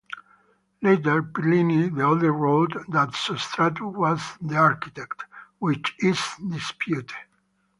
Later Pliny the Elder wrote that Sostratus was the architect, which is disputed.